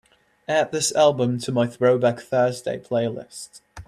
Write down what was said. add this album to my Throwback Thursday playlist